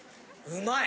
うまい！